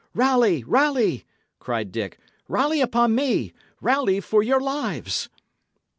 "Rally, rally!" cried Dick. "Rally upon me! Rally for your lives!"